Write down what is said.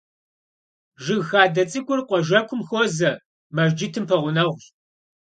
Жыг хадэ цӏыкӏур къуажэкум хуозэ, мэжджытым пэгъунэгъущ.